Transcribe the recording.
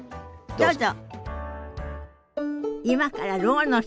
どうぞ。